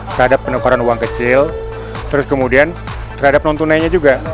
terima kasih bank indonesia